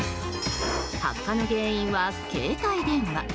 発火の原因は携帯電話。